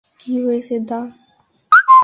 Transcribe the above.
কী হয়েছে, দা?